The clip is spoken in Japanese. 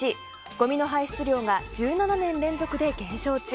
ごみの排出量が１７年連続で減少中。